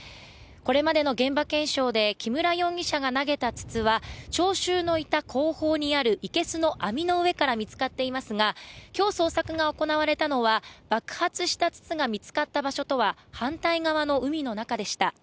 これまでの現場検証で木村容疑者が投げた筒は聴衆のいた後方にある生けすの網の上から見つかっていますが今日捜索が行われたのは爆発した筒が見つかった場所とは反対側の海の中でした。